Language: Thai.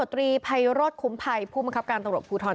พนธตรีไภรถคุมไพรผู้มังคับการตรงรบภูทร